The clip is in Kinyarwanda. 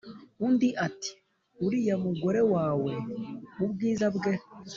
undi ati"uriya mugore wawe ubwiza bwe